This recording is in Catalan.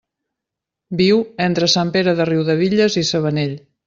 Viu entre Sant Pere de Riudebitlles i Sabanell.